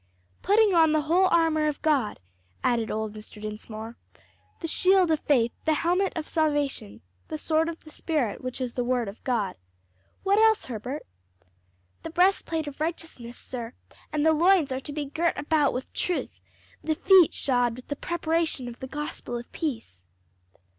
"Putting on the whole armor of God," added old Mr. Dinsmore; "the shield of faith, the helmet of salvation, the sword of the spirit which is the word of God. What else, Herbert?" "The breast plate of righteousness, sir; and the loins are to be girt about with truth, the feet shod with the preparation of the gospel of peace."